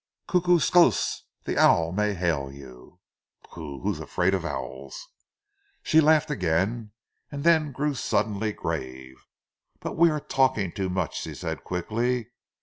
"Kookooskoss, the owl may hail you." "Pooh! Who's afraid of owls?" She laughed again, and then grew suddenly grave. "But we are talking too much," she said quickly.